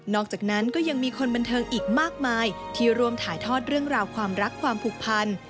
อกจากนั้นก็ยังมีคนบันเทิงอีกมากมายที่ร่วมถ่ายทอดเรื่องราวความรักความผูกพัน